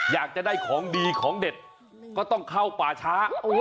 อยากจะได้ของดีของเด็ดก็ต้องเข้าป่าช้า